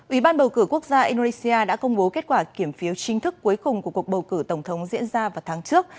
ủy ban bầu cử quốc gia indonesia đã công bố kết quả kiểm phiếu chính thức cuối cùng của cuộc bầu cử tổng thống diễn ra vào tháng trước